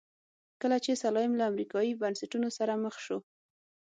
کله چې سلایم له امریکایي بنسټونو سره مخ شو.